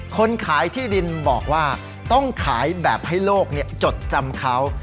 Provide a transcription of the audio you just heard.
คนขายที่ดินบอกว่าต้องขายแบบให้โลกจดจำเขา